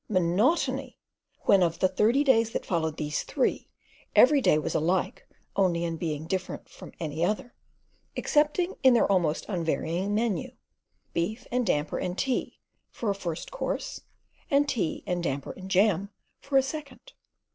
Monotony! when of the thirty days that followed these three every day was alike only in being different from any other, excepting in their almost unvarying menu: beef and damper and tea for a first course, and tea and damper and jam for a second.